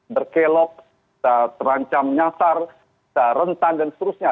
berkelok terancam nyatar rentan dan seterusnya